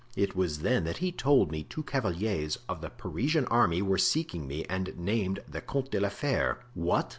It was then that he told me two cavaliers of the Parisian army were seeking me and named the Comte de la Fere." "What!